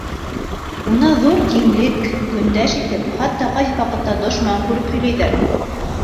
Уны ҙур киңлек, көндәш итеп, хатта ҡайһы ваҡытта дошман күреп һөйләйҙәр.